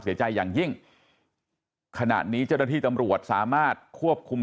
เสียใจอย่างยิ่งขณะนี้เจ้าหน้าที่ตำรวจสามารถควบคุม